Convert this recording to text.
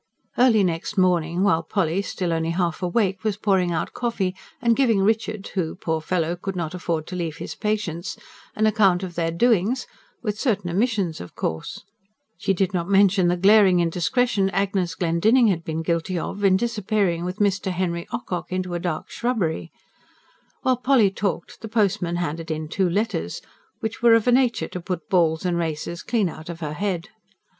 Early next morning while Polly, still only half awake, was pouring out coffee and giving Richard who, poor fellow, could not afford to leave his patients, an account of their doings with certain omissions, of course: she did not mention the glaring indiscretion Agnes Glendinning had been guilty of, in disappearing with Mr. Henry Ocock into a dark shrubbery while Polly talked, the postman handed in two letters, which were of a nature to put balls and races clean out of her head.